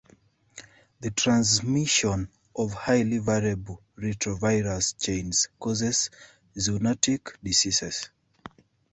The transmission of highly variable retrovirus chains causes zoonotic diseases.